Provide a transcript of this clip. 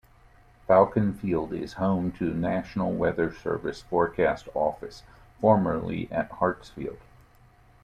Falcon Field is home to the National Weather Service forecast office, formerly at Hartsfield.